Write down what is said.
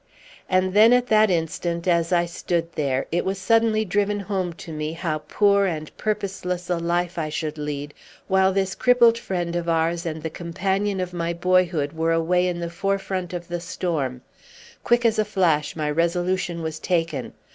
And then at that instant, as I stood there, it was suddenly driven home to me how poor and purposeless a life I should lead while this crippled friend of ours and the companion of my boyhood were away in the forefront of the storm. Quick as a flash my resolution was taken.